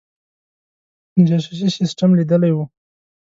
د جاسوسي سسټم لیدلی وو.